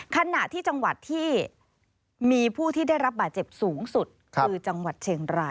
ขณะที่จังหวัดที่มีผู้ที่ได้รับบาดเจ็บสูงสุดคือจังหวัดเชียงราย